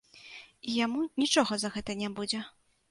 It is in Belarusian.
І яму нічога за гэта не будзе.